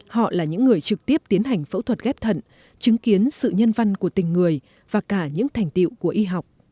họ là những người trực tiếp tiến hành phẫu thuật ghép thận chứng kiến sự nhân văn của tình người và cả những thành tiệu của y học